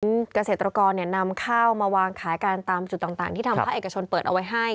ซึ่งเกษตรกรนำข้าวมาวางขายกันตามจุดต่างที่ทางภาคเอกชนเปิดเอาไว้ให้